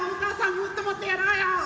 もっともっとやろうよ！